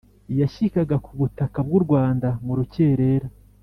yashyikaga kubutaka bw’u rwanda murucyerera